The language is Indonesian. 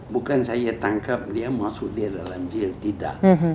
bukan saya tangkap dia masuk dia dalam jil tidak